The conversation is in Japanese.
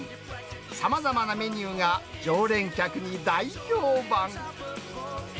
さまざまなメニューが常連客に大評判。